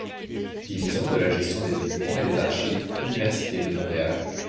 Division de la gestion de documents et des archives, Université de Montréal.